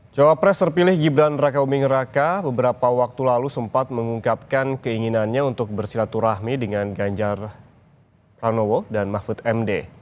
cawapres terpilih gibran raka buming raka beberapa waktu lalu sempat mengungkapkan keinginannya untuk bersilaturahmi dengan ganjar pranowo dan mahfud md